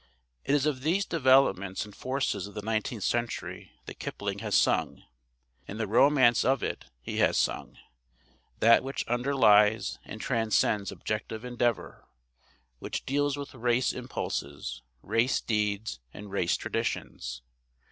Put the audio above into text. It is of these developments and forces of the nineteenth century that Kipling has sung. And the romance of it he has sung, that which underlies and transcends objective endeavour, which deals with race impulses, race deeds, and race traditions.